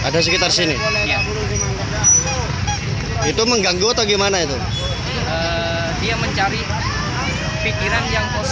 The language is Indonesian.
dia mencari pikiran yang kosong sehingga dia mengisi kekosongan